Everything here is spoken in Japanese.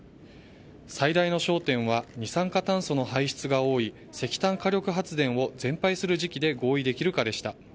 最大の焦点は二酸化炭素の排出が多い石炭火力発電を全廃する時期で合意できるかでした。